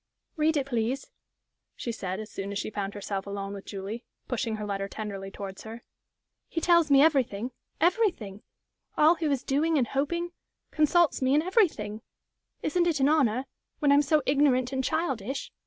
"Read it, please," she said, as soon as she found herself alone with Julie, pushing her letter tenderly towards her. "He tells me everything everything! All he was doing and hoping consults me in everything. Isn't it an honor when I'm so ignorant and childish?